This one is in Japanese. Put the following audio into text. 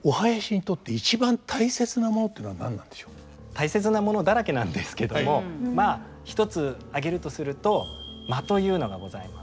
大切なものだらけなんですけれどもまあ一つ挙げるとすると間というのがございます。